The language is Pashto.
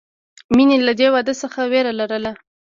مینې له دې واده څخه وېره لرله